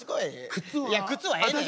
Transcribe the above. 靴はええねん。